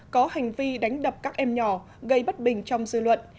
có hành vi đánh đập các em nhỏ gây bất bình trong dư luận